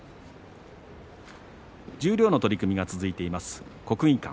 十両の取組が続いています国技館。